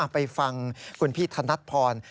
ไปฟังคุณพี่ธนัดพร